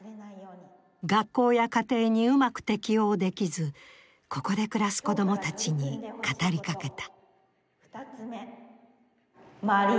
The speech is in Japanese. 学校や家庭にうまく適応できずここで暮らす子供たちに語りかけた。